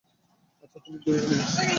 আচ্ছা, আমি ঝুড়িটা নিয়ে আসছি।